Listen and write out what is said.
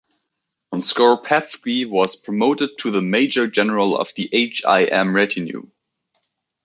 On Skoropadsky was promoted to the Major General of the H. I. M. Retinue.